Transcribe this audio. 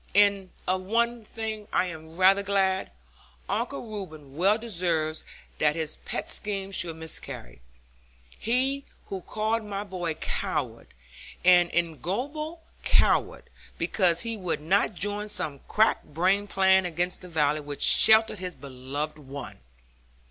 And of one thing I am rather glad; Uncle Reuben well deserves that his pet scheme should miscarry. He who called my boy a coward, an ignoble coward, because he would not join some crack brained plan against the valley which sheltered his beloved one!